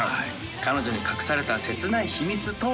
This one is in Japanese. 彼女に隠された切ない秘密とは。